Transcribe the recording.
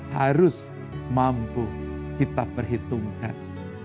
harus mampu kita perhitungkan